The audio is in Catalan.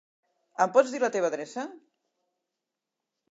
Em pots dir la teva adreça?